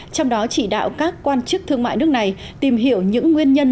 trong đó chỉ đạo các quan chức thương mại nước này tìm hiểu những nguyên nhân